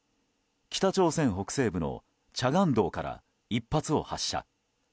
北朝鮮北西部のチャガン道から１発を発射。